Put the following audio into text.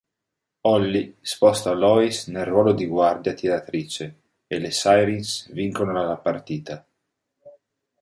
Holly sposta Louise nel ruolo di guardia tiratrice e le Sirens vincono la partita.